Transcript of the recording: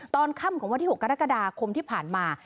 ตอนค่ำของวันที่๖กรกฎาคมที่ผ่านมา